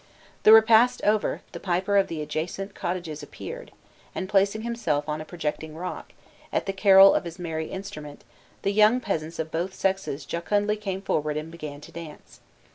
The repast over, the piper of the adjacent cottages appeared; and, placing himself on a projecting rock, at the carol of his merry instrument the young peasants of both sexes jocundly came forward and began to dance.